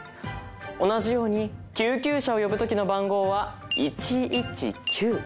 同じように救急車を呼ぶ時の番号は１１９